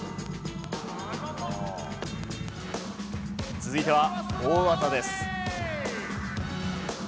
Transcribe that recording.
続いては、大技です。